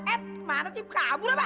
eh kemana sih kabur apa